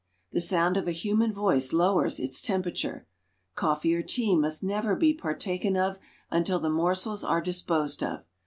The sound of a human voice lowers its temperature. Coffee or tea must never be partaken of until the morsels are disposed of.